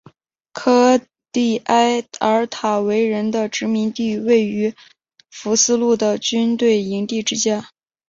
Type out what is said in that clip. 科利埃尔塔维人的殖民地位于福斯路的军队营地之间。